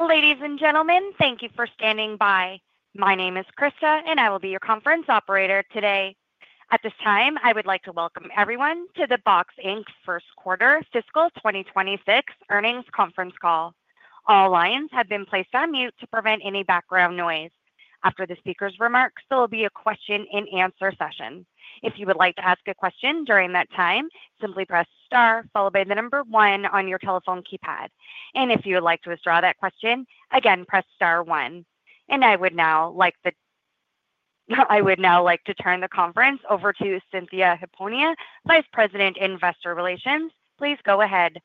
Ladies and gentlemen, thank you for standing by. My name is Krista, and I will be your conference operator today. At this time, I would like to welcome everyone to the Box Inc First Quarter Fiscal 2026 Earnings Conference Call. All lines have been placed on mute to prevent any background noise. After the speaker's remarks, there will be a question-and-answer session. If you would like to ask a question during that time, simply press Star, followed by the number one on your telephone keypad. If you would like to withdraw that question, again, press Star one. I would now like to turn the conference over to Cynthia Hiponia, Vice President, Investor Relations. Please go ahead.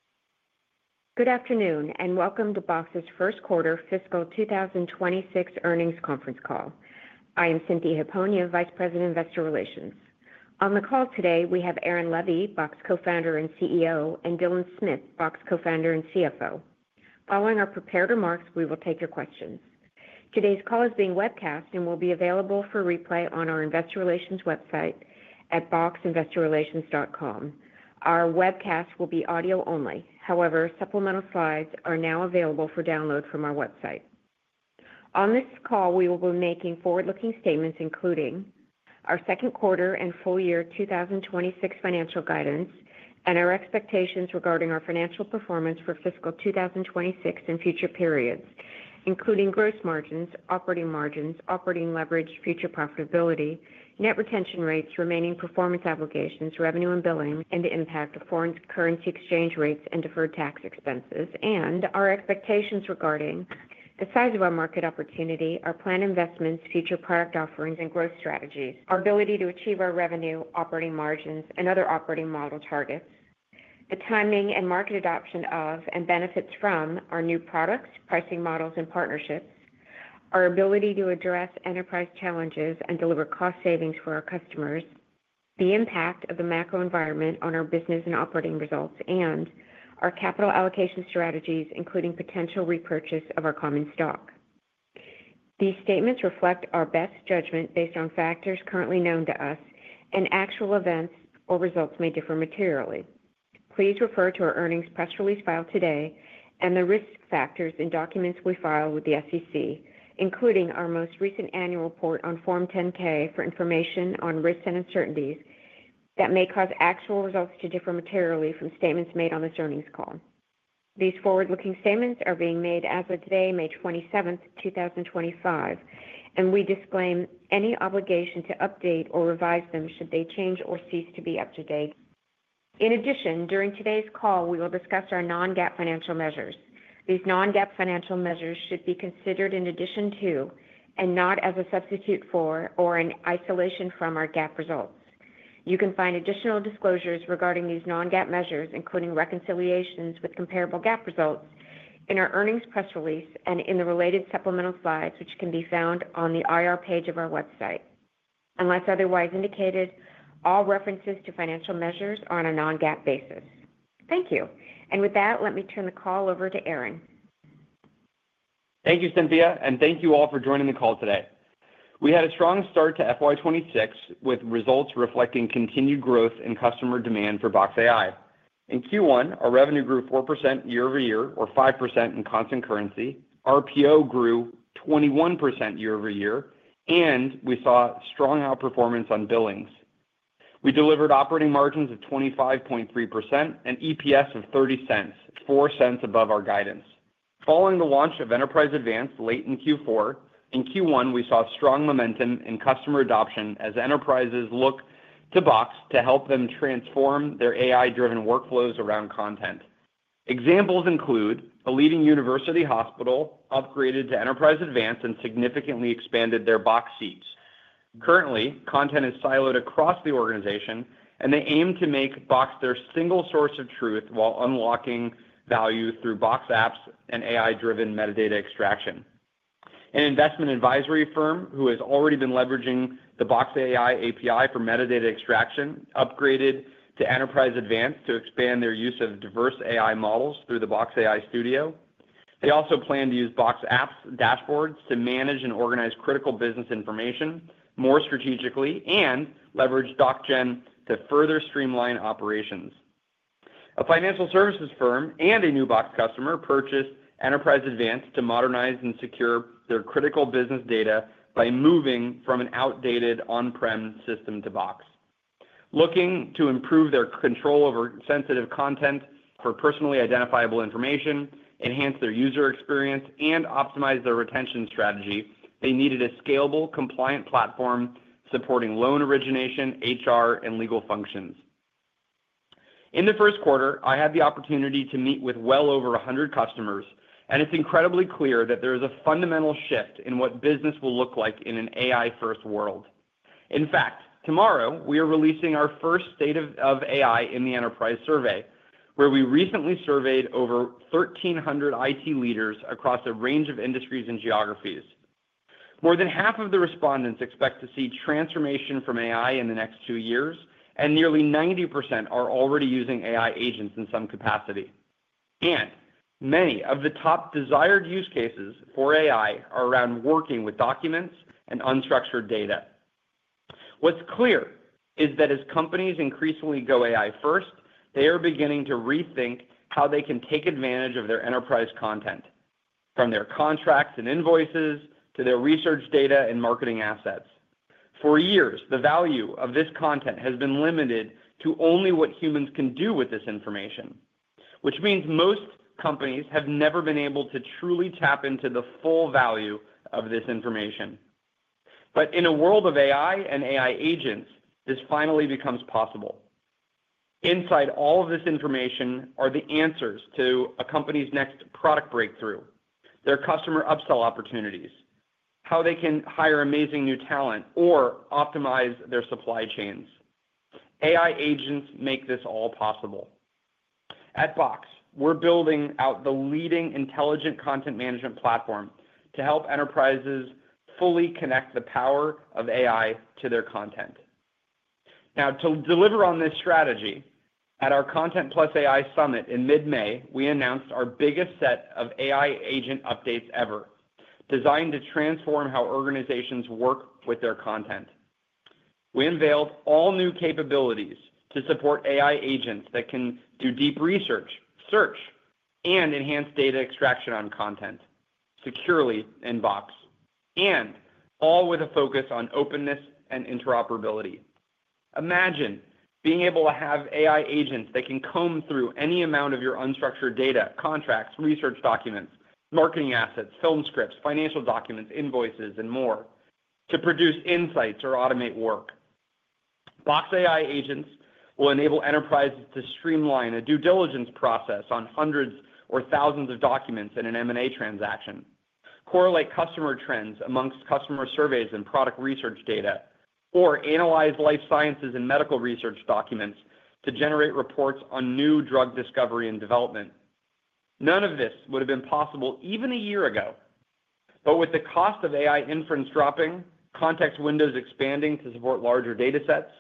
Good afternoon, and welcome to Box's First Quarter Fiscal 2026 Earnings Conference Call. I am Cynthia Hiponia, Vice President, Investor Relations. On the call today, we have Aaron Levie, Box co-founder and CEO, and Dylan Smith, Box co-founder and CFO. Following our prepared remarks, we will take your questions. Today's call is being webcast and will be available for replay on our Investor Relations website at boxinvestorrelations.com. Our webcast will be audio only. However, supplemental slides are now available for download from our website. On this call, we will be making forward-looking statements, including our second quarter and full year 2026 financial guidance, and our expectations regarding our financial performance for fiscal 2026 and future periods, including gross margins, operating margins, operating leverage, future profitability, net retention rates, remaining performance obligations, revenue and billings, and the impact of foreign currency exchange rates and deferred tax expenses, and our expectations regarding the size of our market opportunity, our planned investments, future product offerings, and growth strategies, our ability to achieve our revenue, operating margins, and other operating model targets, the timing and market adoption of and benefits from our new products, pricing models, and partnerships, our ability to address enterprise challenges and deliver cost savings for our customers, the impact of the macro environment on our business and operating results, and our capital allocation strategies, including potential repurchase of our common stock. These statements reflect our best judgment based on factors currently known to us, and actual events or results may differ materially. Please refer to our earnings press release filed today and the risk factors and documents we file with the SEC, including our most recent annual report on Form 10-K for information on risks and uncertainties that may cause actual results to differ materially from statements made on this earnings call. These forward-looking statements are being made as of today, May 27th, 2025, and we disclaim any obligation to update or revise them should they change or cease to be up to date. In addition, during today's call, we will discuss our non-GAAP financial measures. These non-GAAP financial measures should be considered in addition to, and not as a substitute for, or in isolation from our GAAP results. You can find additional disclosures regarding these non-GAAP measures, including reconciliations with comparable GAAP results, in our earnings press release and in the related supplemental slides, which can be found on the IR page of our website. Unless otherwise indicated, all references to financial measures are on a non-GAAP basis. Thank you. With that, let me turn the call over to Aaron. Thank you, Cynthia, and thank you all for joining the call today. We had a strong start to FY26, with results reflecting continued growth in customer demand for Box AI. In Q1, our revenue grew 4% year-over-year, or 5% in constant currency. RPO grew 21% year-over-year, and we saw strong outperformance on billings. We delivered operating margins of 25.3% and EPS of $0.30, $0.04 above our guidance. Following the launch of Enterprise Advanced late in Q4, in Q1, we saw strong momentum in customer adoption as enterprises look to Box to help them transform their AI-driven workflows around content. Examples include a leading university hospital upgraded to Enterprise Advanced and significantly expanded their Box seats. Currently, content is siloed across the organization, and they aim to make Box their single source of truth while unlocking value through Box apps and AI-driven metadata extraction. An investment advisory firm who has already been leveraging the Box AI API for metadata extraction upgraded to Enterprise Advanced to expand their use of diverse AI models through the Box AI Studio. They also plan to use Box apps and dashboards to manage and organize critical business information more strategically and leverage Doc Gen to further streamline operations. A financial services firm and a new Box customer purchased Enterprise Advanced to modernize and secure their critical business data by moving from an outdated on-prem system to Box. Looking to improve their control over sensitive content for personally identifiable information, enhance their user experience, and optimize their retention strategy, they needed a scalable, compliant platform supporting loan origination, HR, and legal functions. In the first quarter, I had the opportunity to meet with well over 100 customers, and it's incredibly clear that there is a fundamental shift in what business will look like in an AI-first world. In fact, tomorrow, we are releasing our first State of AI in the Enterprise Survey, where we recently surveyed over 1,300 IT leaders across a range of industries and geographies. More than half of the respondents expect to see transformation from AI in the next two years, and nearly 90% are already using AI agents in some capacity. Many of the top desired use cases for AI are around working with documents and unstructured data. What's clear is that as companies increasingly go AI-first, they are beginning to rethink how they can take advantage of their enterprise content, from their contracts and invoices to their research data and marketing assets. For years, the value of this content has been limited to only what humans can do with this information, which means most companies have never been able to truly tap into the full value of this information. In a world of AI and AI agents, this finally becomes possible. Inside all of this information are the answers to a company's next product breakthrough, their customer upsell opportunities, how they can hire amazing new talent, or optimize their supply chains. AI agents make this all possible. At Box, we're building out the leading intelligent content management platform to help enterprises fully connect the power of AI to their content. Now, to deliver on this strategy, at our Content+AI Summit in mid-May, we announced our biggest set of AI agent updates ever, designed to transform how organizations work with their content. We unveiled all new capabilities to support AI agents that can do deep research, search, and enhance data extraction on content securely in Box, and all with a focus on openness and interoperability. Imagine being able to have AI agents that can comb through any amount of your unstructured data, contracts, research documents, marketing assets, film scripts, financial documents, invoices, and more to produce insights or automate work. Box AI agents will enable enterprises to streamline a due diligence process on hundreds or thousands of documents in an M&A transaction, correlate customer trends amongst customer surveys and product research data, or analyze life sciences and medical research documents to generate reports on new drug discovery and development. None of this would have been possible even a year ago. With the cost of AI inference dropping, context windows expanding to support larger data sets,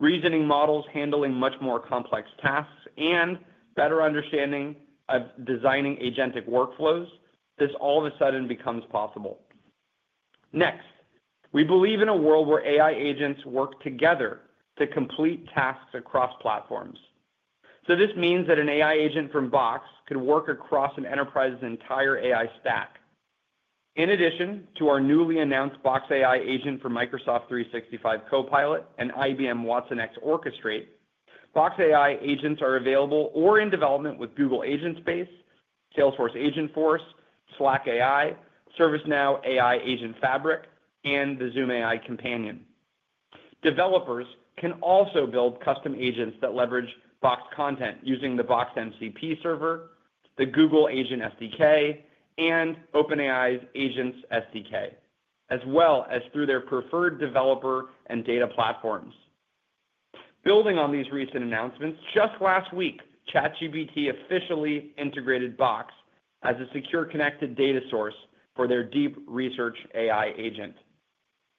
reasoning models handling much more complex tasks, and better understanding of designing agentic workflows, this all of a sudden becomes possible. Next, we believe in a world where AI agents work together to complete tasks across platforms. This means that an AI agent from Box could work across an enterprise's entire AI stack. In addition to our newly announced Box AI Agent for Microsoft 365 Copilot and IBM Watsonx Orchestrate, Box AI agents are available or in development with Google Agent Space, Salesforce Agentforce, Slack AI, ServiceNow AI Agent Fabric, and the Zoom AI Companion. Developers can also build custom agents that leverage Box content using the Box MCP server, the Google Agent SDK, and OpenAI's Agents SDK, as well as through their preferred developer and data platforms. Building on these recent announcements, just last week, ChatGPT officially integrated Box as a secure connected data source for their deep research AI agent.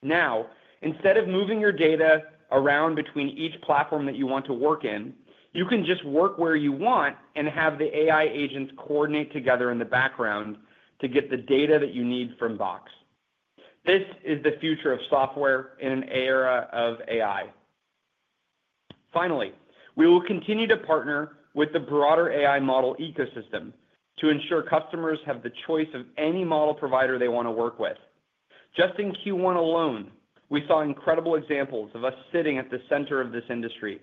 Now, instead of moving your data around between each platform that you want to work in, you can just work where you want and have the AI agents coordinate together in the background to get the data that you need from Box. This is the future of software in an era of AI. Finally, we will continue to partner with the broader AI model ecosystem to ensure customers have the choice of any model provider they want to work with. Just in Q1 alone, we saw incredible examples of us sitting at the center of this industry,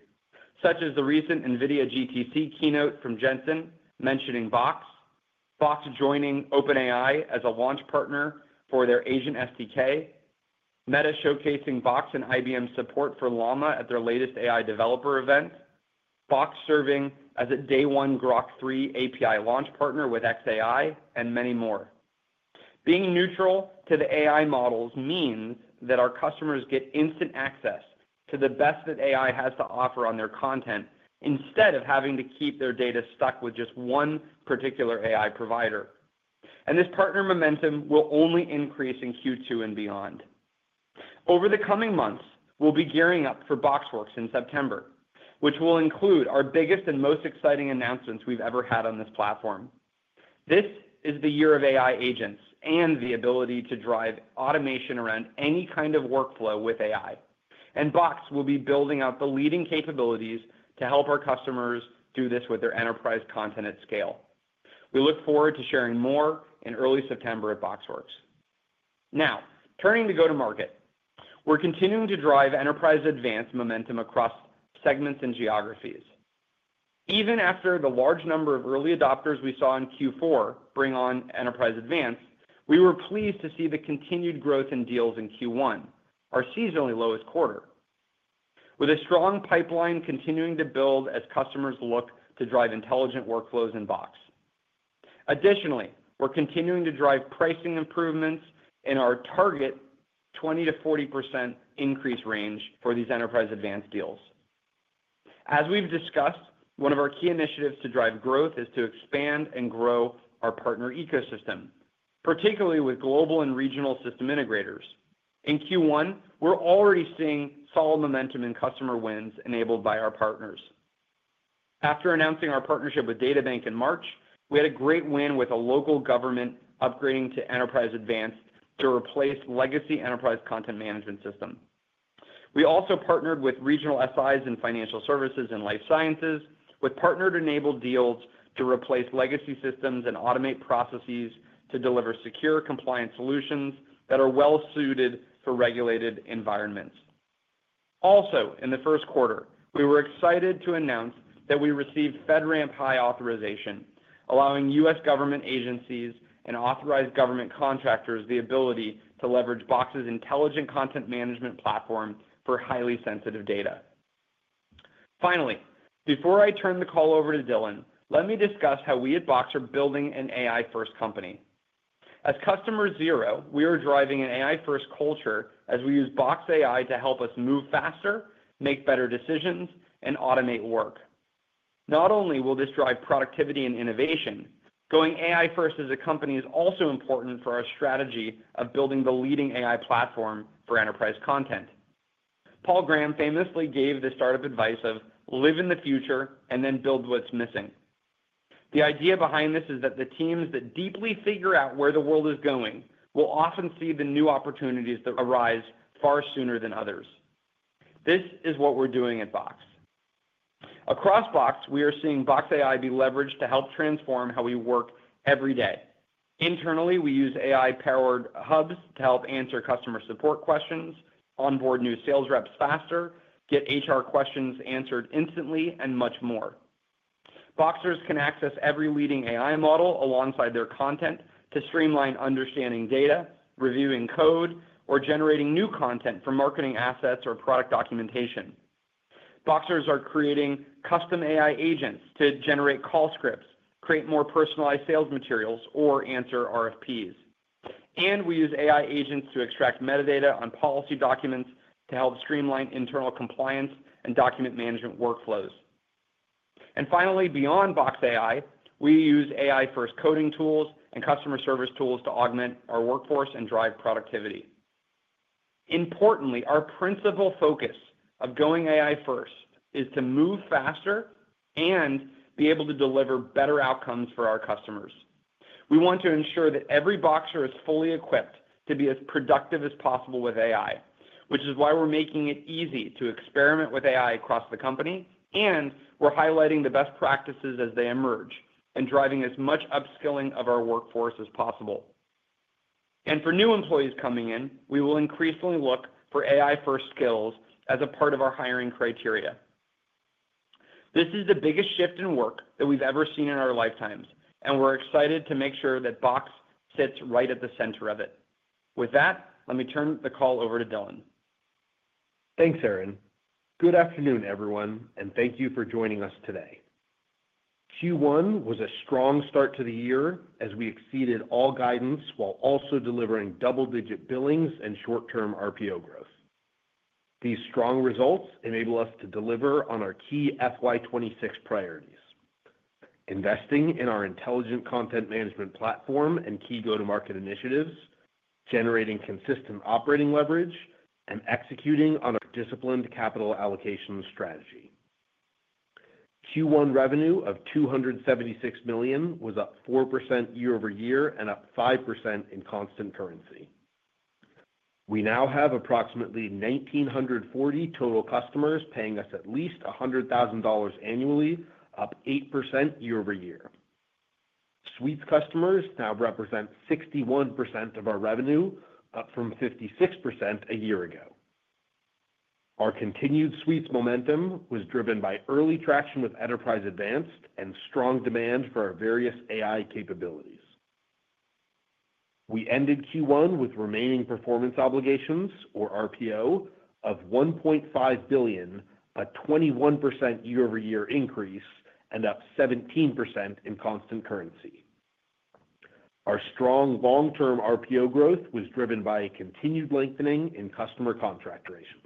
such as the recent NVIDIA GTC keynote from Jensen mentioning Box, Box joining OpenAI as a launch partner for their Agent SDK, Meta showcasing Box and IBM support for Llama at their latest AI developer event, Box serving as a Day One Grok 3 API launch partner with xAI, and many more. Being neutral to the AI models means that our customers get instant access to the best that AI has to offer on their content instead of having to keep their data stuck with just one particular AI provider. This partner momentum will only increase in Q2 and beyond. Over the coming months, we will be gearing up for BoxWorks in September, which will include our biggest and most exciting announcements we have ever had on this platform. This is the year of AI agents and the ability to drive automation around any kind of workflow with AI. Box will be building out the leading capabilities to help our customers do this with their enterprise content at scale. We look forward to sharing more in early September at BoxWorks. Now, turning to go-to-market, we're continuing to drive Enterprise Advanced momentum across segments and geographies. Even after the large number of early adopters we saw in Q4 bring on Enterprise Advanced, we were pleased to see the continued growth in deals in Q1, our seasonally lowest quarter, with a strong pipeline continuing to build as customers look to drive intelligent workflows in Box. Additionally, we're continuing to drive pricing improvements in our target 20%-40% increase range for these Enterprise Advanced deals. As we've discussed, one of our key initiatives to drive growth is to expand and grow our partner ecosystem, particularly with global and regional system integrators. In Q1, we're already seeing solid momentum in customer wins enabled by our partners. After announcing our partnership with DataBank in March, we had a great win with a local government upgrading to Enterprise Advanced to replace a legacy enterprise content management system. We also partnered with regional SIs in financial services and life sciences with partner-enabled deals to replace legacy systems and automate processes to deliver secure, compliant solutions that are well-suited for regulated environments. Also, in the first quarter, we were excited to announce that we received FedRAMP High authorization, allowing U.S. government agencies and authorized government contractors the ability to leverage Box's intelligent content management platform for highly sensitive data. Finally, before I turn the call over to Dylan, let me discuss how we at Box are building an AI-first company. As Customer Zero, we are driving an AI-first culture as we use Box AI to help us move faster, make better decisions, and automate work. Not only will this drive productivity and innovation, going AI-first as a company is also important for our strategy of building the leading AI platform for enterprise content. Paul Graham famously gave the startup advice of, "Live in the future and then build what's missing." The idea behind this is that the teams that deeply figure out where the world is going will often see the new opportunities that arise far sooner than others. This is what we're doing at Box. Across Box, we are seeing Box AI be leveraged to help transform how we work every day. Internally, we use AI-powered hubs to help answer customer support questions, onboard new sales reps faster, get HR questions answered instantly, and much more. Boxers can access every leading AI model alongside their content to streamline understanding data, reviewing code, or generating new content for marketing assets or product documentation. Boxers are creating custom AI agents to generate call scripts, create more personalized sales materials, or answer RFPs. We use AI agents to extract metadata on policy documents to help streamline internal compliance and document management workflows. Finally, beyond Box AI, we use AI-first coding tools and customer service tools to augment our workforce and drive productivity. Importantly, our principal focus of going AI-first is to move faster and be able to deliver better outcomes for our customers. We want to ensure that every Boxer is fully equipped to be as productive as possible with AI, which is why we're making it easy to experiment with AI across the company, and we're highlighting the best practices as they emerge and driving as much upskilling of our workforce as possible. For new employees coming in, we will increasingly look for AI-first skills as a part of our hiring criteria. This is the biggest shift in work that we've ever seen in our lifetimes, and we're excited to make sure that Box sits right at the center of it. With that, let me turn the call over to Dylan. Thanks, Aaron. Good afternoon, everyone, and thank you for joining us today. Q1 was a strong start to the year as we exceeded all guidance while also delivering double-digit billings and short-term RPO growth. These strong results enable us to deliver on our key FY26 priorities, investing in our intelligent content management platform and key go-to-market initiatives, generating consistent operating leverage, and executing on our disciplined capital allocation strategy. Q1 revenue of $276 million was up 4% year-over-year and up 5% in constant currency. We now have approximately 1,940 total customers paying us at least $100,000 annually, up 8% year-over-year. Suites customers now represent 61% of our revenue, up from 56% a year ago. Our continued suites momentum was driven by early traction with Enterprise Advanced and strong demand for our various AI capabilities. We ended Q1 with remaining performance obligations, or RPO, of $1.5 billion, a 21% year-over-year increase, and up 17% in constant currency. Our strong long-term RPO growth was driven by continued lengthening in customer contract durations.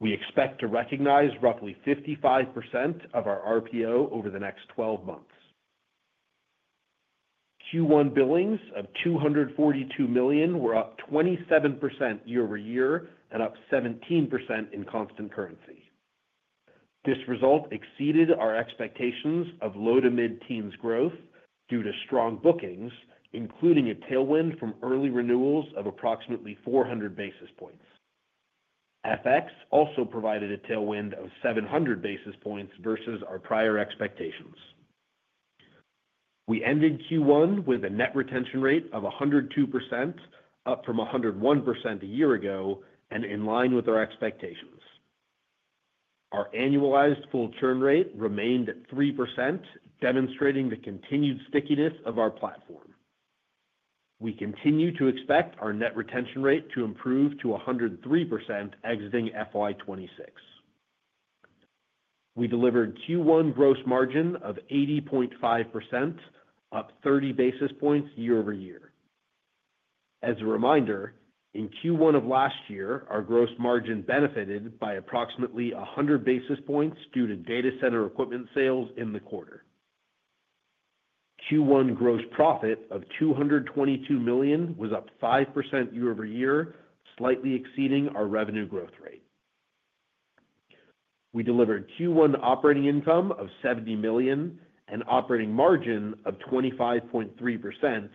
We expect to recognize roughly 55% of our RPO over the next 12 months. Q1 billings of $242 million were up 27% year-over-year and up 17% in constant currency. This result exceeded our expectations of low-to-mid teens growth due to strong bookings, including a tailwind from early renewals of approximately 400 basis points. FX also provided a tailwind of 700 basis points versus our prior expectations. We ended Q1 with a net retention rate of 102%, up from 101% a year ago and in line with our expectations. Our annualized full churn rate remained at 3%, demonstrating the continued stickiness of our platform. We continue to expect our net retention rate to improve to 103% exiting FY2026. We delivered Q1 gross margin of 80.5%, up 30 basis points year-over-year. As a reminder, in Q1 of last year, our gross margin benefited by approximately 100 basis points due to data center equipment sales in the quarter. Q1 gross profit of $222 million was up 5% year-over-year, slightly exceeding our revenue growth rate. We delivered Q1 operating income of $70 million and operating margin of 25.3%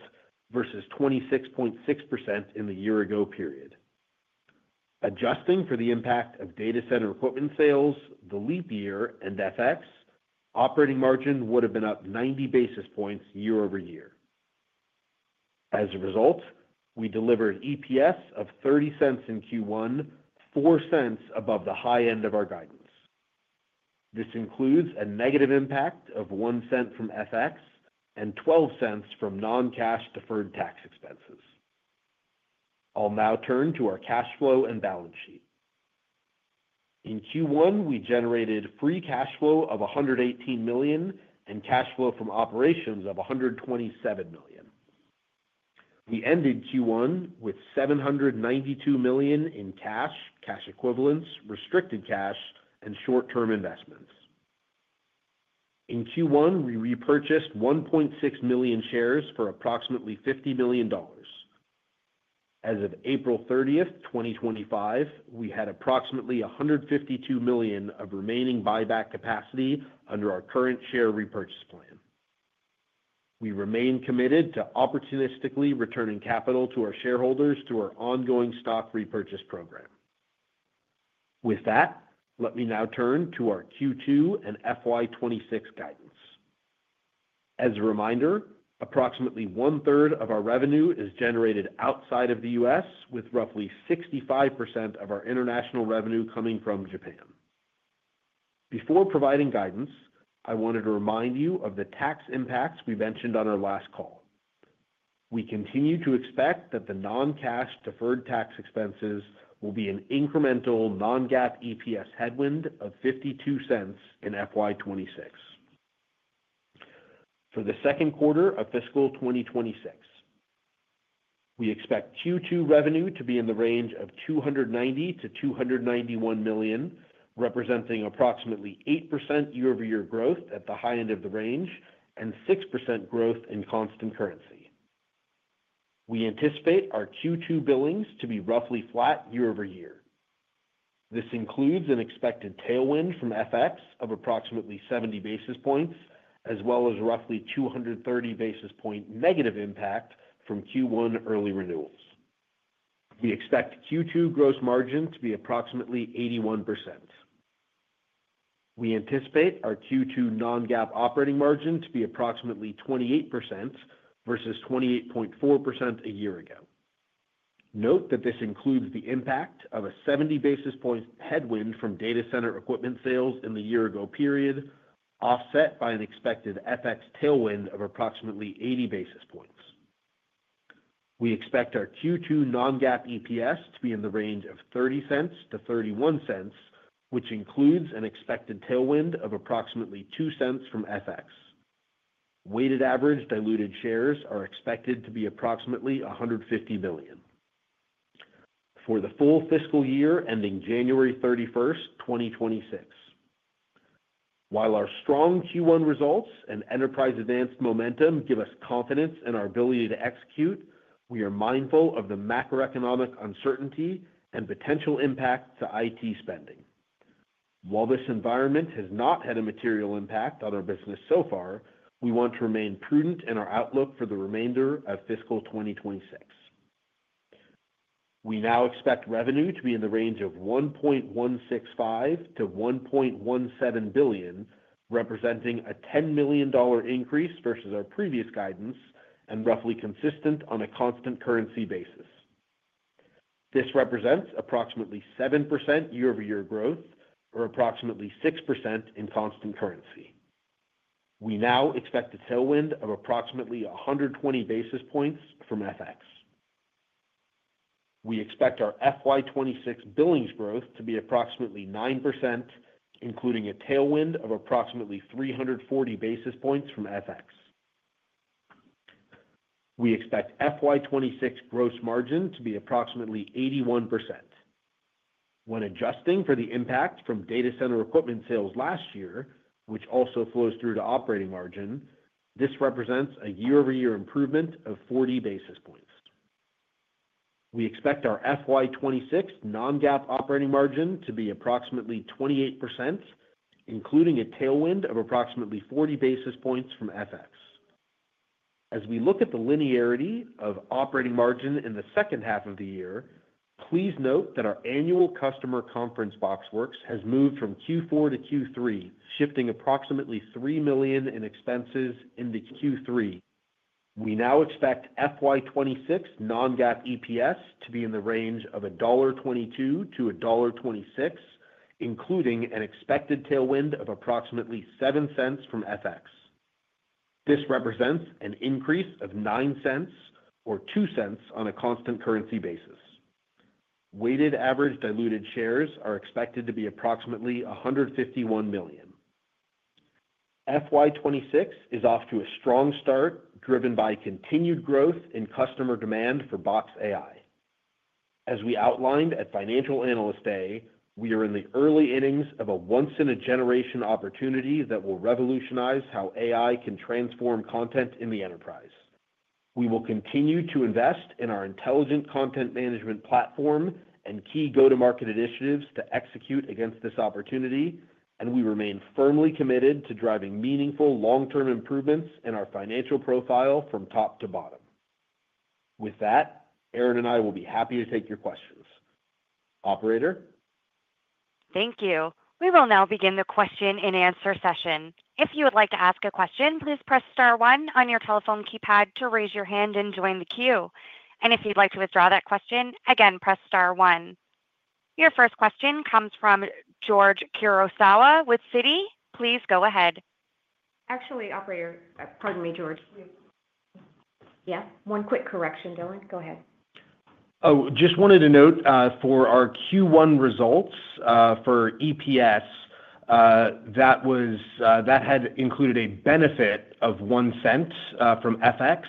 versus 26.6% in the year-ago period. Adjusting for the impact of data center equipment sales, the leap year, and FX, operating margin would have been up 90 basis points year-over-year. As a result, we delivered EPS of $0.30 in Q1, $0.04 above the high end of our guidance. This includes a negative impact of $0.01 from FX and $0.12 from non-cash deferred tax expenses. I'll now turn to our cash flow and balance sheet. In Q1, we generated free cash flow of $118 million and cash flow from operations of $127 million. We ended Q1 with $792 million in cash, cash equivalents, restricted cash, and short-term investments. In Q1, we repurchased 1.6 million shares for approximately $50 million. As of April 30th 2025, we had approximately $152 million of remaining buyback capacity under our current share repurchase plan. We remain committed to opportunistically returning capital to our shareholders through our ongoing stock repurchase program. With that, let me now turn to our Q2 and FY26 guidance. As a reminder, approximately one-third of our revenue is generated outside of the U.S., with roughly 65% of our international revenue coming from Japan. Before providing guidance, I wanted to remind you of the tax impacts we mentioned on our last call. We continue to expect that the non-cash deferred tax expenses will be an incremental non-GAAP EPS headwind of $0.52 in FY26. For the second quarter of fiscal 2026, we expect Q2 revenue to be in the range of $290-$291 million, representing approximately 8% year-over-year growth at the high end of the range and 6% growth in constant currency. We anticipate our Q2 billings to be roughly flat year-over-year. This includes an expected tailwind from FX of approximately 70 basis points, as well as roughly 230 basis point negative impact from Q1 early renewals. We expect Q2 gross margin to be approximately 81%. We anticipate our Q2 non-GAAP operating margin to be approximately 28% versus 28.4% a year ago. Note that this includes the impact of a 70 basis point headwind from data center equipment sales in the year-ago period, offset by an expected FX tailwind of approximately 80 basis points. We expect our Q2 non-GAAP EPS to be in the range of $0.30-$0.31, which includes an expected tailwind of approximately $0.02 from FX. Weighted average diluted shares are expected to be approximately 150 million for the full fiscal year ending January 31st 2026. While our strong Q1 results and Enterprise Advanced momentum give us confidence in our ability to execute, we are mindful of the macroeconomic uncertainty and potential impact to IT spending. While this environment has not had a material impact on our business so far, we want to remain prudent in our outlook for the remainder of fiscal 2026. We now expect revenue to be in the range of $1.165 billion-$1.17 billion, representing a $10 million increase versus our previous guidance and roughly consistent on a constant currency basis. This represents approximately 7% year-over-year growth, or approximately 6% in constant currency. We now expect a tailwind of approximately 120 basis points from FX. We expect our FY26 billings growth to be approximately 9%, including a tailwind of approximately 340 basis points from FX. We expect FY26 gross margin to be approximately 81%. When adjusting for the impact from data center equipment sales last year, which also flows through to operating margin, this represents a year-over-year improvement of 40 basis points. We expect our FY2026 non-GAAP operating margin to be approximately 28%, including a tailwind of approximately 40 basis points from FX. As we look at the linearity of operating margin in the second half of the year, please note that our annual customer conference BoxWorks has moved from Q4 to Q3, shifting approximately $3 million in expenses into Q3. We now expect FY2026 non-GAAP EPS to be in the range of $1.22-$1.26, including an expected tailwind of approximately $0.07 from FX. This represents an increase of $0.09 or $0.02 on a constant currency basis. Weighted average diluted shares are expected to be approximately 151 million. FY26 is off to a strong start, driven by continued growth in customer demand for Box AI. As we outlined at Financial Analyst Day, we are in the early innings of a once-in-a-generation opportunity that will revolutionize how AI can transform content in the enterprise. We will continue to invest in our intelligent content management platform and key go-to-market initiatives to execute against this opportunity, and we remain firmly committed to driving meaningful long-term improvements in our financial profile from top to bottom. With that, Aaron and I will be happy to take your questions. Operator? Thank you. We will now begin the question-and-answer session. If you would like to ask a question, please press star one on your telephone keypad to raise your hand and join the queue. If you'd like to withdraw that question, again, press star one. Your first question comes from George Kurosawa with Citi. Please go ahead. Actually, Operator, pardon me, George. Yeah? One quick correction, Dylan. Go ahead. Oh, just wanted to note for our Q1 results for EPS, that had included a benefit of $0.01 from FX,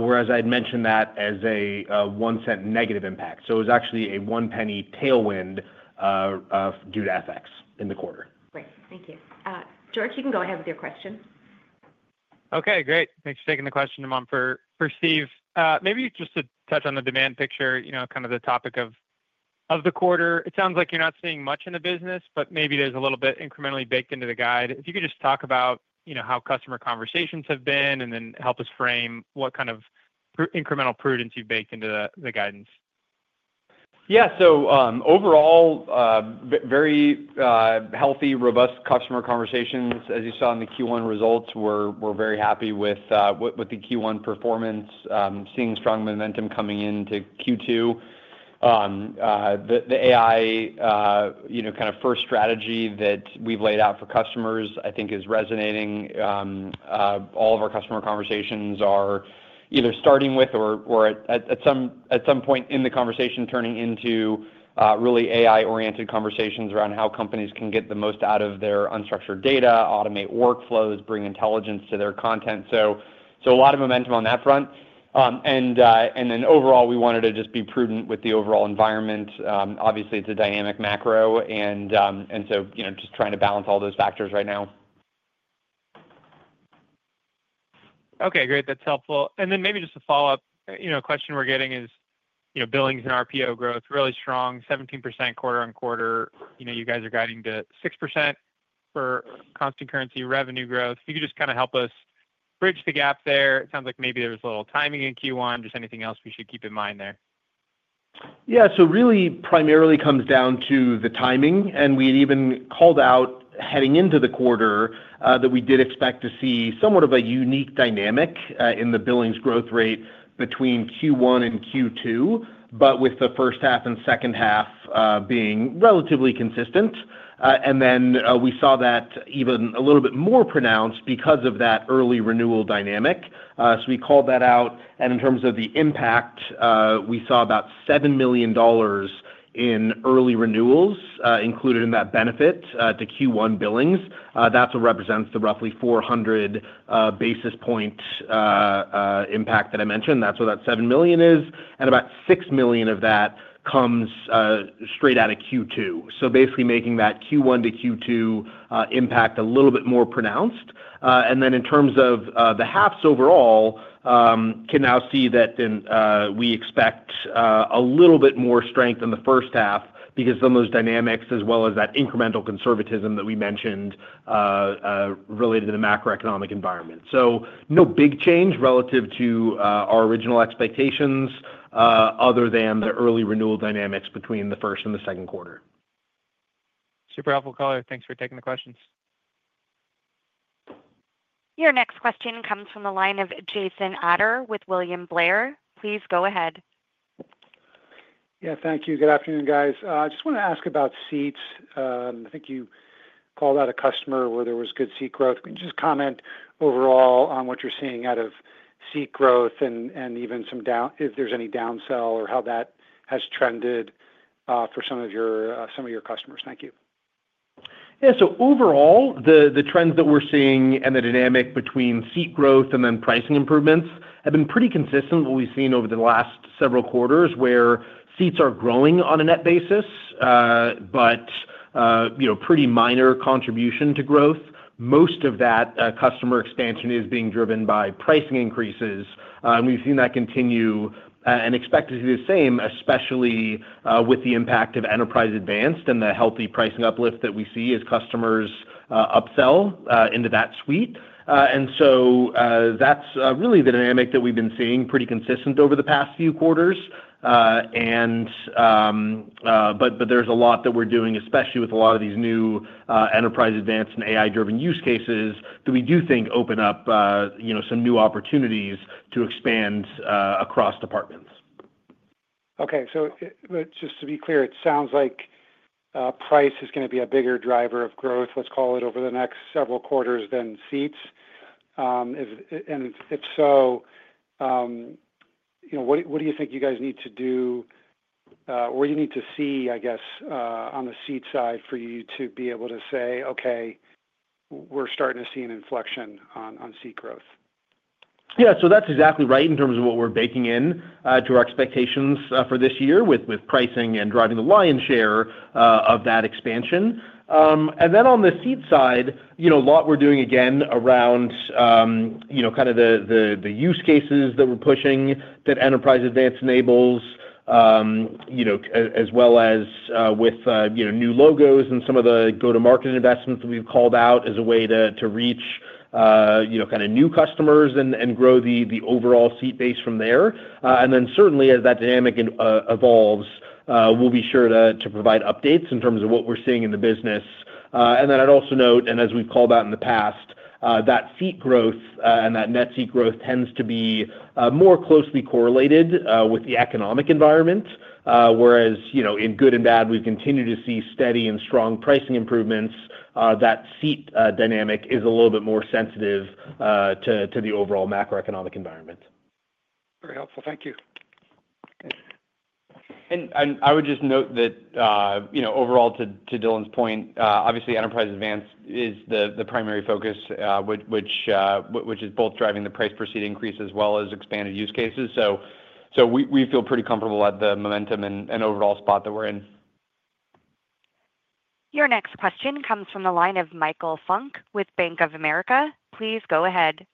whereas I had mentioned that as a $0.01 negative impact. So it was actually a one-penny tailwind due to FX in the quarter. Great. Thank you. George, you can go ahead with your question. Okay. Great. Thanks for taking the question, for Steve. Maybe just to touch on the demand picture, kind of the topic of the quarter, it sounds like you're not seeing much in the business, but maybe there's a little bit incrementally baked into the guide. If you could just talk about how customer conversations have been and then help us frame what kind of incremental prudence you've baked into the guidance. Yeah. Overall, very healthy, robust customer conversations. As you saw in the Q1 results, we're very happy with the Q1 performance, seeing strong momentum coming into Q2. The AI kind of first strategy that we've laid out for customers, I think, is resonating. All of our customer conversations are either starting with or at some point in the conversation turning into really AI-oriented conversations around how companies can get the most out of their unstructured data, automate workflows, bring intelligence to their content. A lot of momentum on that front. Overall, we wanted to just be prudent with the overall environment. Obviously, it's a dynamic macro, and just trying to balance all those factors right now. Okay. Great. That's helpful. Maybe just to follow up, a question we're getting is billings and RPO growth, really strong, 17% quarter on quarter. You guys are guiding to 6% for constant currency revenue growth. If you could just kind of help us bridge the gap there. It sounds like maybe there was a little timing in Q1. Just anything else we should keep in mind there? Yeah. So really, primarily comes down to the timing. We had even called out heading into the quarter that we did expect to see somewhat of a unique dynamic in the billings growth rate between Q1 and Q2, with the first half and second half being relatively consistent. We saw that even a little bit more pronounced because of that early renewal dynamic. We called that out. In terms of the impact, we saw about $7 million in early renewals included in that benefit to Q1 billings. That is what represents the roughly 400 basis point impact that I mentioned. That's what that $7 million is. And about $6 million of that comes straight out of Q2. Basically making that Q1 to Q2 impact a little bit more pronounced. In terms of the halves overall, can now see that we expect a little bit more strength in the first half because of those dynamics as well as that incremental conservatism that we mentioned related to the macroeconomic environment. No big change relative to our original expectations other than the early renewal dynamics between the first and the second quarter. Super helpful. Thanks for taking the questions. Your next question comes from the line of Jason Ader with William Blair. Please go ahead. Yeah. Thank you. Good afternoon, guys. I just wanted to ask about seats. I think you called out a customer where there was good seat growth. Can you just comment overall on what you're seeing out of seat growth and even if there's any downsell or how that has trended for some of your customers? Thank you. Yeah. So overall, the trends that we're seeing and the dynamic between seat growth and then pricing improvements have been pretty consistent with what we've seen over the last several quarters where seats are growing on a net basis, but pretty minor contribution to growth. Most of that customer expansion is being driven by pricing increases. We've seen that continue and expected to be the same, especially with the impact of Enterprise Advanced and the healthy pricing uplift that we see as customers upsell into that suite. That's really the dynamic that we've been seeing pretty consistent over the past few quarters. There is a lot that we are doing, especially with a lot of these new Enterprise Advanced and AI-driven use cases that we do think open up some new opportunities to expand across departments. Okay. Just to be clear, it sounds like price is going to be a bigger driver of growth, let's call it, over the next several quarters than seats. If so, what do you think you guys need to do or you need to see, I guess, on the seat side for you to be able to say, "Okay, we are starting to see an inflection on seat growth"? Yeah. That is exactly right in terms of what we are baking into our expectations for this year with pricing and driving the lion's share of that expansion. On the seat side, a lot we're doing again around kind of the use cases that we're pushing that Enterprise Advanced enables, as well as with new logos and some of the go-to-market investments that we've called out as a way to reach kind of new customers and grow the overall seat base from there. Certainly, as that dynamic evolves, we'll be sure to provide updates in terms of what we're seeing in the business. I'd also note, and as we've called out in the past, that seat growth and that net seat growth tends to be more closely correlated with the economic environment. Whereas in good and bad, we've continued to see steady and strong pricing improvements, that seat dynamic is a little bit more sensitive to the overall macroeconomic environment. Very helpful. Thank you. I would just note that overall, to Dylan's point, obviously, Enterprise Advanced is the primary focus, which is both driving the price per seat increase as well as expanded use cases. We feel pretty comfortable at the momentum and overall spot that we're in. Your next question comes from the line of Michael Funk with Bank of America. Please go ahead.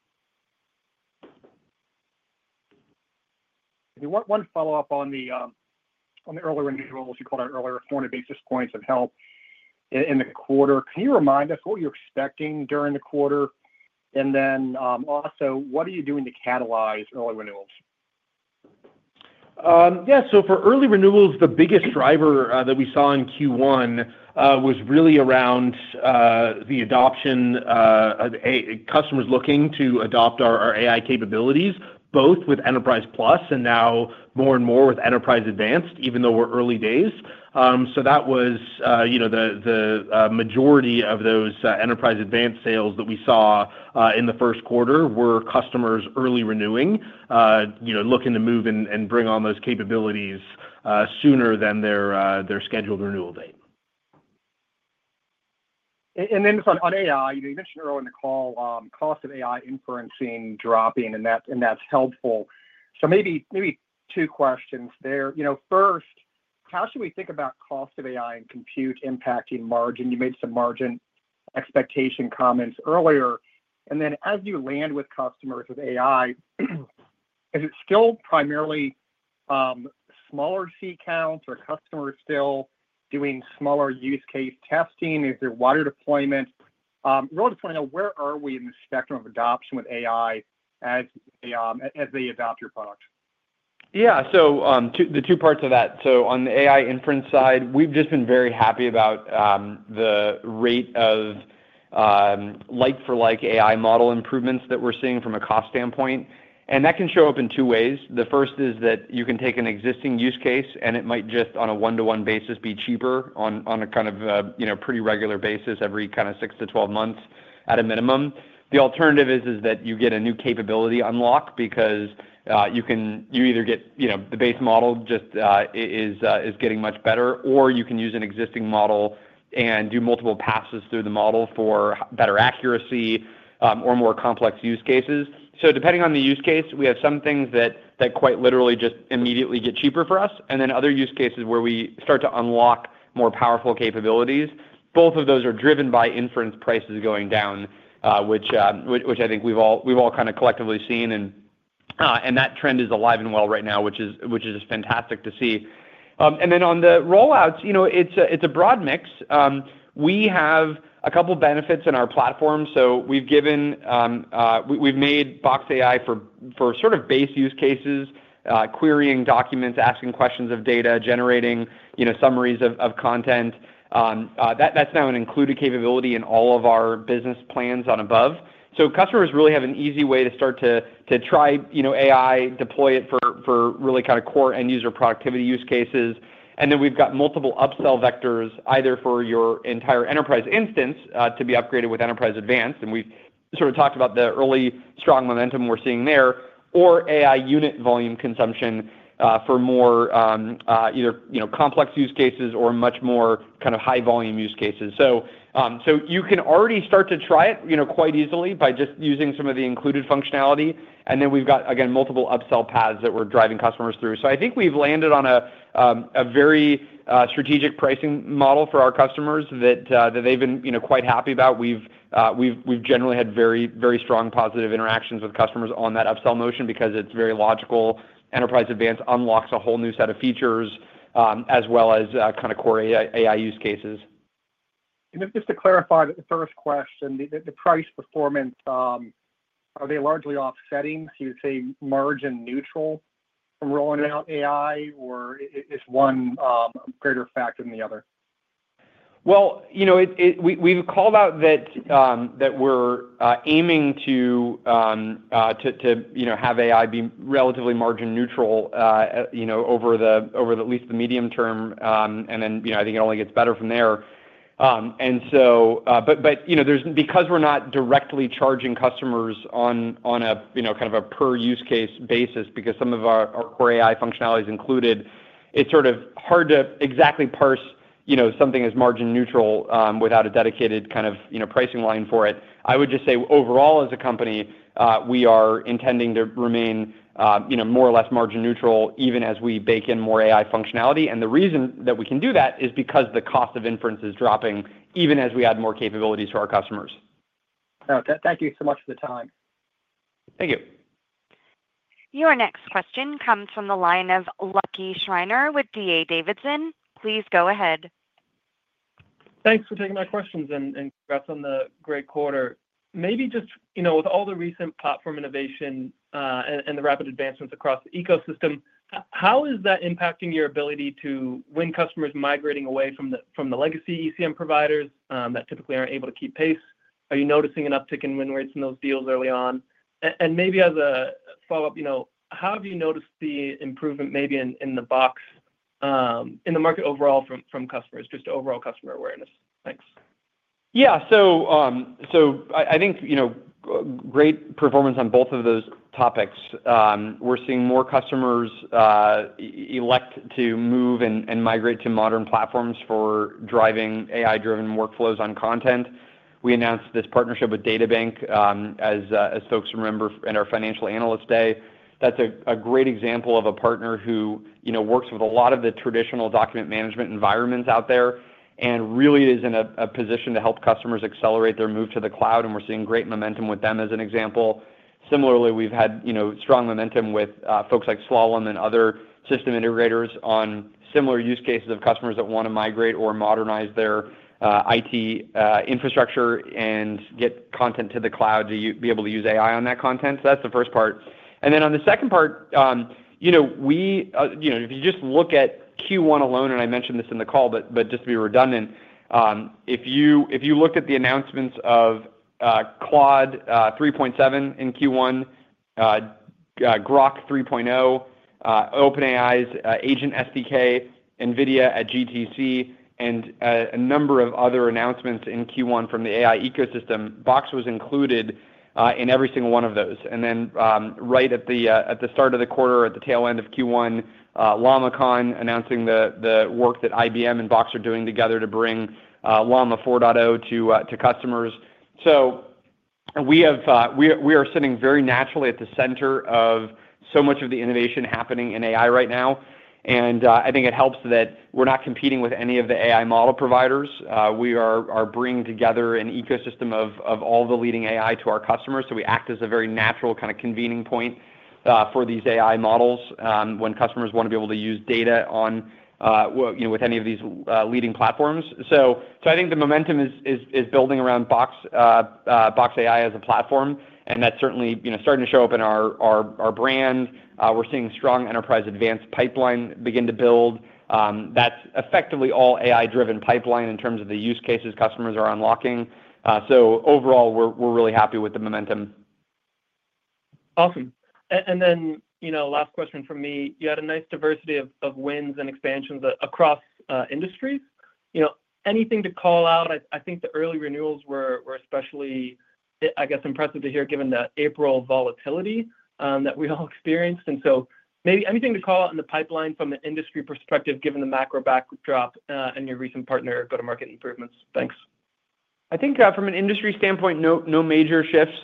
If you want one follow-up on the early renewals, you called out earlier 400 basis points of health in the quarter, can you remind us what you're expecting during the quarter? Also, what are you doing to catalyze early renewals? Yeah. For early renewals, the biggest driver that we saw in Q1 was really around the adoption of customers looking to adopt our AI capabilities, both with Enterprise Plus and now more and more with Enterprise Advanced, even though we're early days. That was the majority of those Enterprise Advanced sales that we saw in the first quarter were customers early renewing, looking to move and bring on those capabilities sooner than their scheduled renewal date. On AI, you mentioned earlier in the call, cost of AI inferencing dropping, and that's helpful. Maybe two questions there. First, how should we think about cost of AI and compute impacting margin? You made some margin expectation comments earlier. As you land with customers with AI, is it still primarily smaller seat counts or customers still doing smaller use case testing? Is there wider deployment? We're looking to find out where are we in the spectrum of adoption with AI as they adopt your product. Yeah. The two parts of that. On the AI inference side, we've just been very happy about the rate of like-for-like AI model improvements that we're seeing from a cost standpoint. That can show up in two ways. The first is that you can take an existing use case, and it might just, on a one-to-one basis, be cheaper on a kind of pretty regular basis every 6-12 months at a minimum. The alternative is that you get a new capability unlock because you either get the base model just is getting much better, or you can use an existing model and do multiple passes through the model for better accuracy or more complex use cases. Depending on the use case, we have some things that quite literally just immediately get cheaper for us, and then other use cases where we start to unlock more powerful capabilities. Both of those are driven by inference prices going down, which I think we've all kind of collectively seen. That trend is alive and well right now, which is fantastic to see. On the rollouts, it's a broad mix. We have a couple of benefits in our platform. We've made Box AI for sort of base use cases, querying documents, asking questions of data, generating summaries of content. That's now an included capability in all of our business plans and above. Customers really have an easy way to start to try AI, deploy it for really kind of core end-user productivity use cases. We've got multiple upsell vectors, either for your entire enterprise instance to be upgraded with Enterprise Advanced. We've sort of talked about the early strong momentum we're seeing there, or AI unit volume consumption for more either complex use cases or much more kind of high-volume use cases. You can already start to try it quite easily by just using some of the included functionality. We've got, again, multiple upsell paths that we're driving customers through. I think we've landed on a very strategic pricing model for our customers that they've been quite happy about. We've generally had very strong positive interactions with customers on that upsell motion because it's very logical. Enterprise Advanced unlocks a whole new set of features as well as kind of core AI use cases. Just to clarify the first question, the price performance, are they largely offsetting? You'd say margin neutral from rolling out AI, or is one greater factor than the other? We've called out that we're aiming to have AI be relatively margin neutral over at least the medium term, and then I think it only gets better from there. Because we're not directly charging customers on a kind of a per use case basis, because some of our core AI functionality is included, it's sort of hard to exactly parse something as margin neutral without a dedicated kind of pricing line for it. I would just say overall, as a company, we are intending to remain more or less margin neutral even as we bake in more AI functionality. The reason that we can do that is because the cost of inference is dropping even as we add more capabilities to our customers. Okay. Thank you so much for the time. Thank you. Your next question comes from the line of Lucky Schreiner with DA Davidson. Thanks for taking my questions and congrats on the great quarter. Maybe just with all the recent platform innovation and the rapid advancements across the ecosystem, how is that impacting your ability to win customers migrating away from the legacy ECM providers that typically aren't able to keep pace? Are you noticing an uptick in win rates in those deals early on? Maybe as a follow-up, how have you noticed the improvement maybe in the market overall from customers, just overall customer awareness? Thanks. Yeah. I think great performance on both of those topics. We're seeing more customers elect to move and migrate to modern platforms for driving AI-driven workflows on content. We announced this partnership with DataBank as folks remember in our Financial Analyst Day. That's a great example of a partner who works with a lot of the traditional document management environments out there and really is in a position to help customers accelerate their move to the cloud. We're seeing great momentum with them as an example. Similarly, we've had strong momentum with folks like Slalom and other system integrators on similar use cases of customers that want to migrate or modernize their IT infrastructure and get content to the cloud to be able to use AI on that content. That's the first part. On the second part, if you just look at Q1 alone, and I mentioned this in the call, but just to be redundant, if you looked at the announcements of Claude 3.7 in Q1, Grok 3.0, OpenAI's Agent SDK, NVIDIA Corporation at GTC, and a number of other announcements in Q1 from the AI ecosystem, Box was included in every single one of those. Right at the start of the quarter, at the tail end of Q1, LlamaCon announcing the work that IBM and Box are doing together to bring Llama 4.0 to customers. We are sitting very naturally at the center of so much of the innovation happening in AI right now. I think it helps that we're not competing with any of the AI model providers. We are bringing together an ecosystem of all the leading AI to our customers. We act as a very natural kind of convening point for these AI models when customers want to be able to use data with any of these leading platforms. I think the momentum is building around Box AI as a platform. That is certainly starting to show up in our brand. We're seeing strong Enterprise Advanced pipeline begin to build. That is effectively all AI-driven pipeline in terms of the use cases customers are unlocking. Overall, we're really happy with the momentum. Awesome. Last question from me. You had a nice diversity of wins and expansions across industries. Anything to call out? I think the early renewals were especially, I guess, impressive to hear given the April volatility that we all experienced. Maybe anything to call out in the pipeline from an industry perspective given the macro backdrop and your recent partner go-to-market improvements? Thanks. I think from an industry standpoint, no major shifts.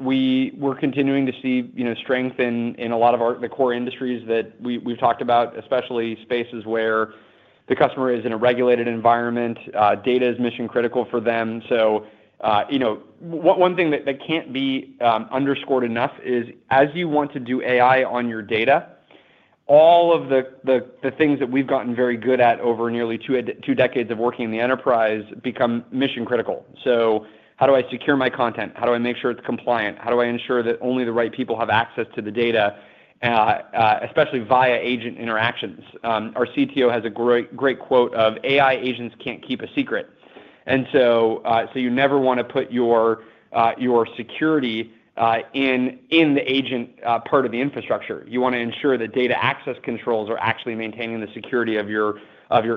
We're continuing to see strength in a lot of the core industries that we've talked about, especially spaces where the customer is in a regulated environment. Data is mission-critical for them. One thing that can't be underscored enough is, as you want to do AI on your data, all of the things that we've gotten very good at over nearly two decades of working in the enterprise become mission-critical. How do I secure my content? How do I make sure it's compliant? How do I ensure that only the right people have access to the data, especially via agent interactions? Our CTO has a great quote of, "AI agents can't keep a secret." You never want to put your security in the agent part of the infrastructure. You want to ensure that data access controls are actually maintaining the security of your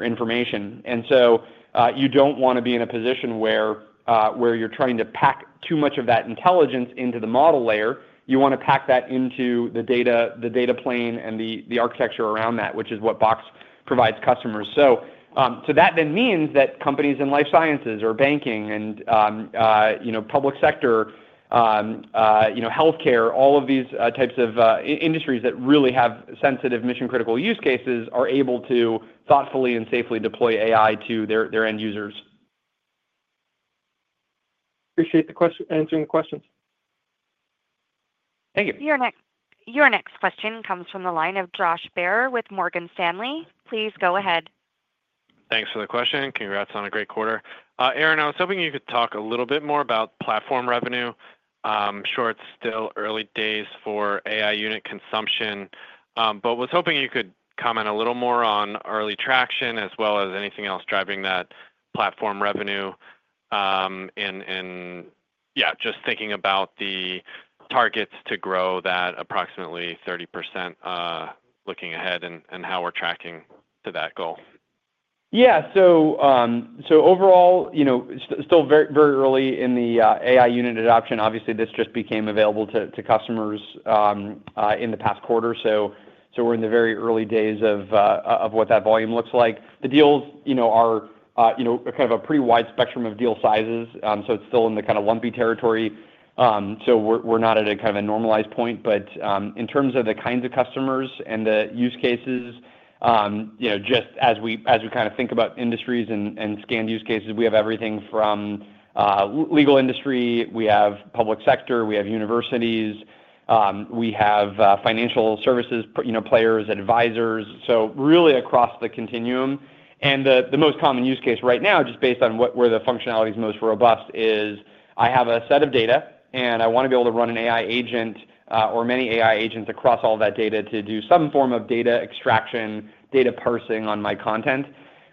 information. You do not want to be in a position where you are trying to pack too much of that intelligence into the model layer. You want to pack that into the data plane and the architecture around that, which is what Box provides customers. That then means that companies in life sciences or banking and public sector, healthcare, all of these types of industries that really have sensitive, mission-critical use cases are able to thoughtfully and safely deploy AI to their end users. Appreciate the answering the questions. Thank you. Your next question comes from the line of Josh Baer with Morgan Stanley. Please go ahead. Thanks for the question. Congrats on a great quarter. Aaron, I was hoping you could talk a little bit more about platform revenue. Sure, it's still early days for AI unit consumption, but was hoping you could comment a little more on early traction as well as anything else driving that platform revenue. Yeah, just thinking about the targets to grow that approximately 30% looking ahead and how we're tracking to that goal. Yeah. Overall, still very early in the AI unit adoption. Obviously, this just became available to customers in the past quarter. We're in the very early days of what that volume looks like. The deals are kind of a pretty wide spectrum of deal sizes. It's still in the kind of lumpy territory. We're not at a kind of a normalized point. In terms of the kinds of customers and the use cases, just as we kind of think about industries and scanned use cases, we have everything from legal industry. We have public sector. We have universities. We have financial services players, advisors. Really across the continuum. The most common use case right now, just based on where the functionality is most robust, is I have a set of data, and I want to be able to run an AI agent or many AI agents across all that data to do some form of data extraction, data parsing on my content.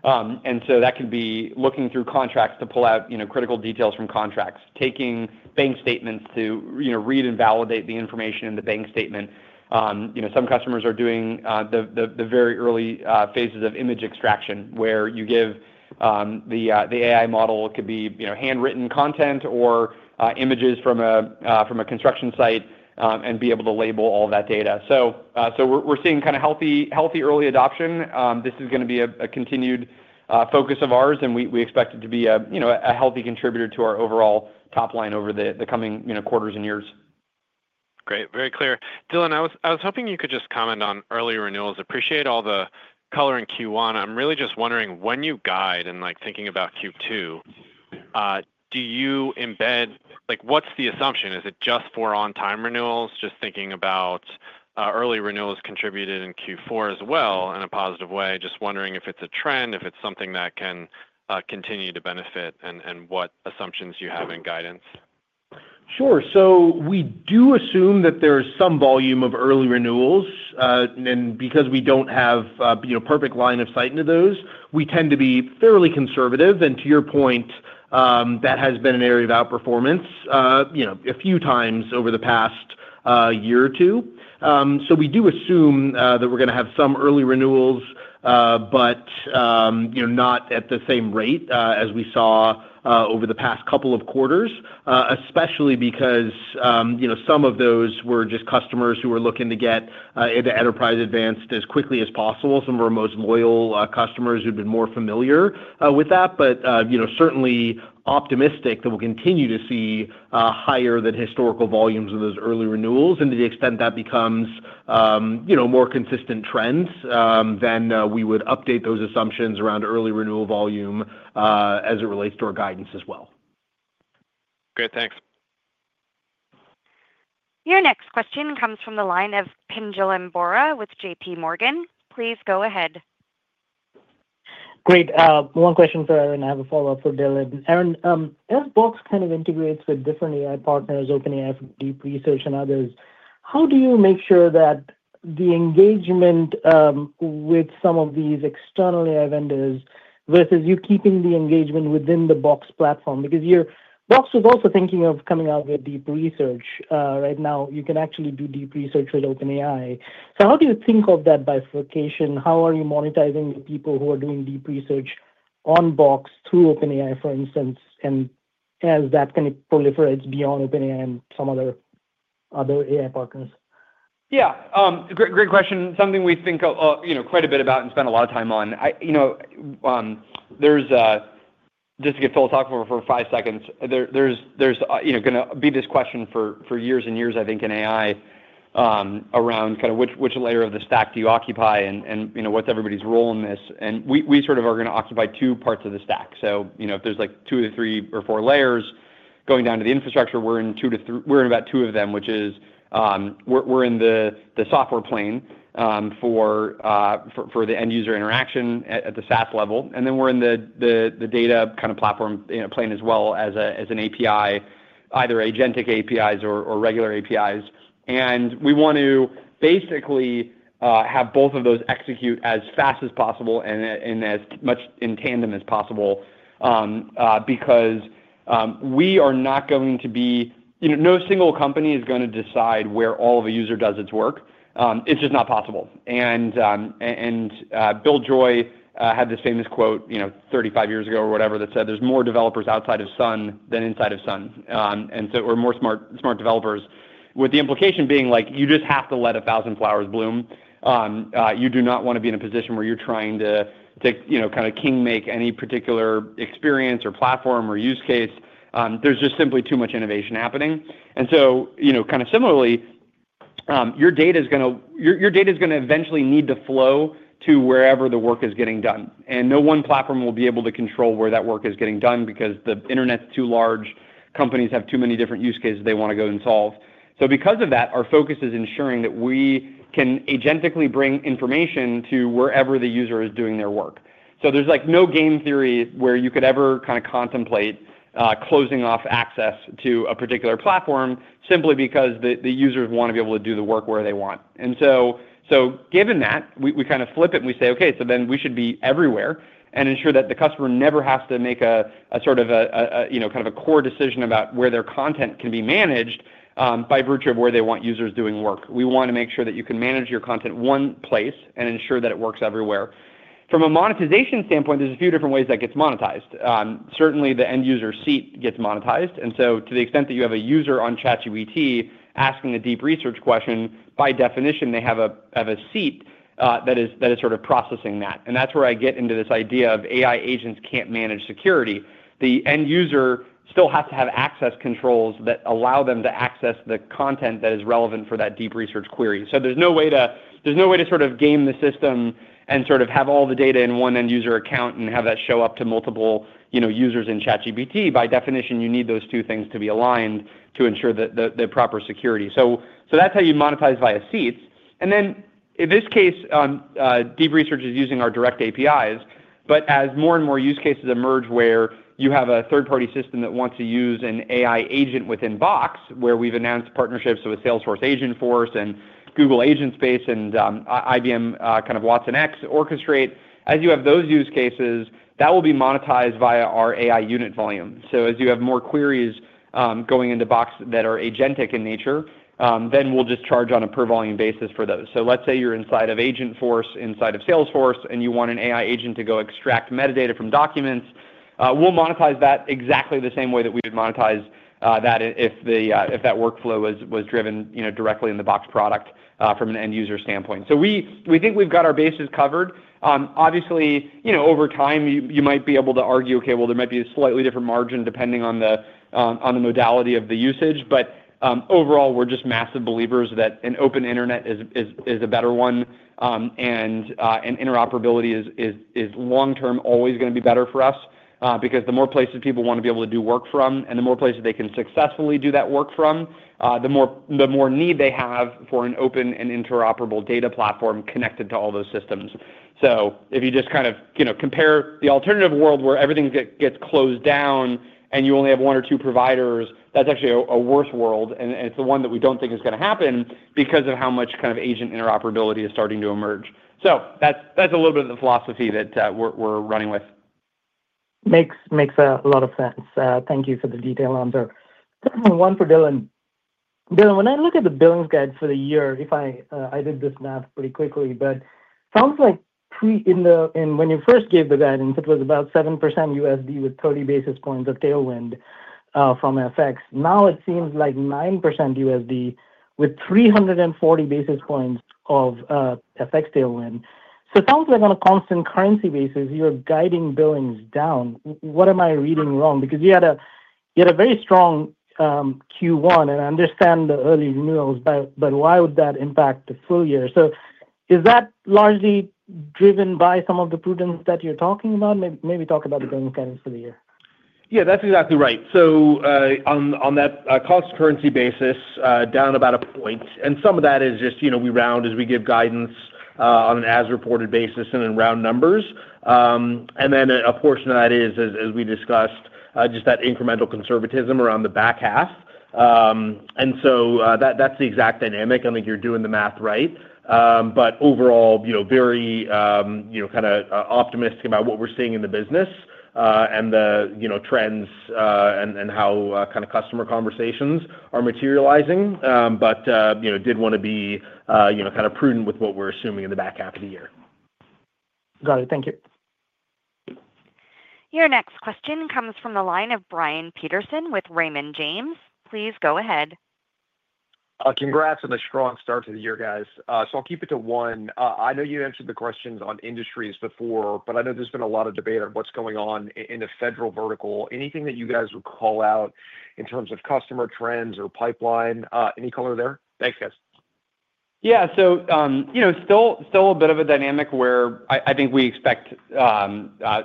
That can be looking through contracts to pull out critical details from contracts, taking bank statements to read and validate the information in the bank statement. Some customers are doing the very early phases of image extraction where you give the AI model, could be handwritten content or images from a construction site, and be able to label all that data. We are seeing kind of healthy early adoption. This is going to be a continued focus of ours, and we expect it to be a healthy contributor to our overall top line over the coming quarters and years. Great. Very clear. Dylan, I was hoping you could just comment on early renewals. Appreciate all the color in Q1. I'm really just wondering when you guide and thinking about Q2, do you embed what's the assumption? Is it just for on-time renewals? Just thinking about early renewals contributed in Q4 as well in a positive way. Just wondering if it's a trend, if it's something that can continue to benefit, and what assumptions you have in guidance. Sure. So we do assume that there is some volume of early renewals. And because we don't have a perfect line of sight into those, we tend to be fairly conservative. To your point, that has been an area of outperformance a few times over the past year or two. We do assume that we're going to have some early renewals, but not at the same rate as we saw over the past couple of quarters, especially because some of those were just customers who were looking to get into Enterprise Advanced as quickly as possible. Some of our most loyal customers who've been more familiar with that, but certainly optimistic that we'll continue to see higher than historical volumes of those early renewals. To the extent that becomes more consistent trends, we would update those assumptions around early renewal volume as it relates to our guidance as well. Great. Thanks. Your next question comes from the line of Pinjalim Bora with JP Morgan. Please go ahead. Great. One question for Aaron. I have a follow-up for Dylan. Aaron, as Box kind of integrates with different AI partners, OpenAI for deep research and others, how do you make sure that the engagement with some of these external AI vendors versus you keeping the engagement within the Box platform? Because Box was also thinking of coming out with deep research. Right now, you can actually do deep research with OpenAI. So how do you think of that bifurcation? How are you monetizing the people who are doing deep research on Box through OpenAI, for instance, and as that kind of proliferates beyond OpenAI and some other AI partners? Yeah. Great question. Something we think quite a bit about and spend a lot of time on. Just to get full talk for five seconds, there's going to be this question for years and years, I think, in AI around kind of which layer of the stack do you occupy and what's everybody's role in this. We sort of are going to occupy two parts of the stack. If there's two or three or four layers going down to the infrastructure, we're in two to three, we're in about two of them, which is we're in the software plane for the end user interaction at the SaaS level. We're in the data kind of platform plane as well as an API, either agentic APIs or regular APIs. We want to basically have both of those execute as fast as possible and as much in tandem as possible because we are not going to be, no single company is going to decide where all of a user does its work. It's just not possible. Bill Joy had this famous quote 35 years ago or whatever that said, "There's more developers outside of Sun than inside of Sun." More smart developers, with the implication being you just have to let a thousand flowers bloom. You do not want to be in a position where you're trying to kind of king make any particular experience or platform or use case. There's just simply too much innovation happening. Kind of similarly, your data is going to eventually need to flow to wherever the work is getting done. No one platform will be able to control where that work is getting done because the internet's too large. Companies have too many different use cases they want to go and solve. Because of that, our focus is ensuring that we can agentically bring information to wherever the user is doing their work. There's no game theory where you could ever kind of contemplate closing off access to a particular platform simply because the users want to be able to do the work where they want. Given that, we kind of flip it and we say, "Okay, so then we should be everywhere and ensure that the customer never has to make a sort of kind of a core decision about where their content can be managed by virtue of where they want users doing work." We want to make sure that you can manage your content one place and ensure that it works everywhere. From a monetization standpoint, there are a few different ways that gets monetized. Certainly, the end user seat gets monetized. To the extent that you have a user on ChatGPT asking a deep research question, by definition, they have a seat that is sort of processing that. That is where I get into this idea of AI agents cannot manage security. The end user still has to have access controls that allow them to access the content that is relevant for that deep research query. There is no way to sort of game the system and sort of have all the data in one end user account and have that show up to multiple users in ChatGPT. By definition, you need those two things to be aligned to ensure the proper security. That is how you monetize via seats. In this case, deep research is using our direct APIs. As more and more use cases emerge where you have a third-party system that wants to use an AI agent within Box, where we have announced partnerships with Salesforce Agentforce and Google Agent SDK and IBM Watsonx Orchestrate, as you have those use cases, that will be monetized via our AI unit volume. As you have more queries going into Box that are agentic in nature, then we'll just charge on a per-volume basis for those. Let's say you're inside of Agentforce, inside of Salesforce, and you want an AI agent to go extract metadata from documents. We'll monetize that exactly the same way that we would monetize that if that workflow was driven directly in the Box product from an end user standpoint. We think we've got our bases covered. Obviously, over time, you might be able to argue, "Okay, well, there might be a slightly different margin depending on the modality of the usage." Overall, we're just massive believers that an open internet is a better one. Interoperability is long-term always going to be better for us because the more places people want to be able to do work from and the more places they can successfully do that work from, the more need they have for an open and interoperable data platform connected to all those systems. If you just kind of compare the alternative world where everything gets closed down and you only have one or two providers, that's actually a worse world. It is the one that we do not think is going to happen because of how much kind of agent interoperability is starting to emerge. That is a little bit of the philosophy that we are running with. Makes a lot of sense. Thank you for the detail on that. One for Dylan. Dylan, when I look at the Billings Guide for the year, I did this math pretty quickly, but it sounds like when you first gave the guidance, it was about 7% USD with 30 basis points of Tailwind from FX. Now it seems like 9% USD with 340 basis points of FX Tailwind. It sounds like on a constant currency basis, you're guiding Billings down. What am I reading wrong? Because you had a very strong Q1, and I understand the early renewals, but why would that impact the full year? Is that largely driven by some of the prudence that you're talking about? Maybe talk about the Billings Guidance for the year. Yeah, that's exactly right. On that constant currency basis, down about a point. Some of that is just we round as we give guidance on an as-reported basis and then round numbers. A portion of that is, as we discussed, just that incremental conservatism around the back half. That is the exact dynamic. I think you're doing the math right. Overall, very kind of optimistic about what we're seeing in the business and the trends and how kind of customer conversations are materializing. I did want to be kind of prudent with what we're assuming in the back half of the year. Got it. Thank you. Your next question comes from the line of Brian Peterson with Raymond James. Please go ahead. Congrats on a strong start to the year, guys. I'll keep it to one. I know you answered the questions on industries before, but I know there's been a lot of debate on what's going on in a federal vertical. Anything that you guys would call out in terms of customer trends or pipeline? Any color there? Thanks, guys. Yeah. Still a bit of a dynamic where I think we expect a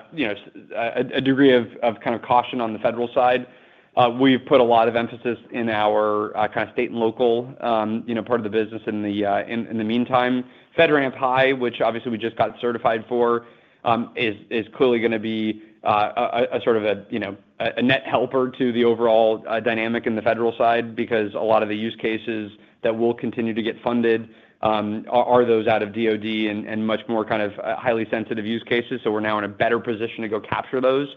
degree of kind of caution on the federal side. We've put a lot of emphasis in our kind of state and local part of the business. In the meantime, FedRAMP High, which obviously we just got certified for, is clearly going to be a sort of a net helper to the overall dynamic in the federal side because a lot of the use cases that will continue to get funded are those out of DOD and much more kind of highly sensitive use cases. We're now in a better position to go capture those.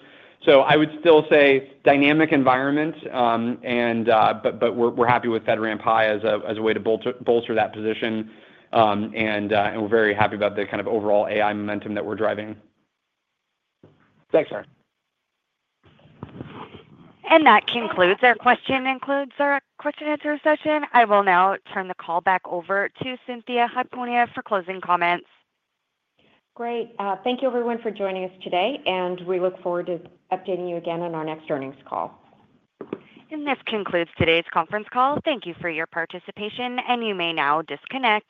I would still say dynamic environment, but we're happy with FedRAMP High as a way to bolster that position. We're very happy about the kind of overall AI momentum that we're driving. Thanks, sir. That concludes our question and answer session. I will now turn the call back over to Cynthia Hiponia for closing comments. Great. Thank you, everyone, for joining us today. We look forward to updating you again on our next earnings call. This concludes today's conference call. Thank you for your participation. You may now disconnect.